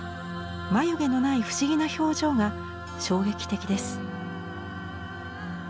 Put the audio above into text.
眉毛のない不思議な表情が衝撃的です。